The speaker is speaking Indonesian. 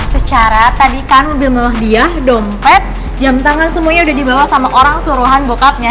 secara tadi kan mobil mewah dia dompet jam tangan semuanya udah dibawa sama orang suruhan bokapnya